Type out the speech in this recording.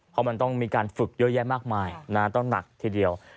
เพราะมันต้องมีการฝึกเยอะแยะมากมายต้องหนักทีเดียว